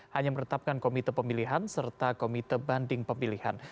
hanya meretapkan komite pemilihan serta komite banding pemilihan